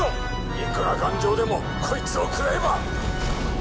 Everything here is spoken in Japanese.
いくら頑丈でもこいつをくらえば。